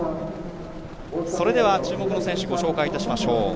それでは注目の選手御紹介いたしましょう。